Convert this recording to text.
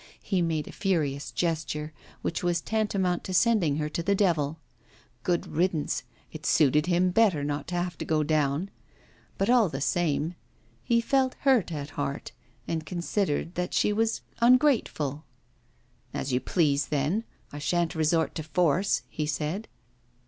He made a furious gesture, which was tantamount to sending her to the devil. Good riddance; it suited him better not to have to go down. But, all the same, he felt hurt at heart, and considered that she was ungrateful. 'As you please, then. I sha'n't resort to force,' he said.